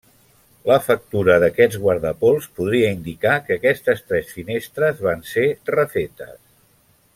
La factura d'aquests guardapols podria indicar que aquestes tres finestres van ser refetes.